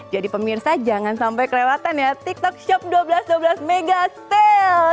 jadi pemirsa jangan sampai kelewatan ya tiktok shop dua belas dua belas mega sale